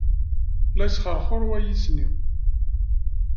La yesxerxur wayis-nni.